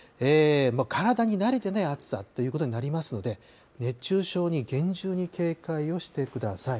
体に慣れてない暑さということになりますので、熱中症に厳重に警戒をしてください。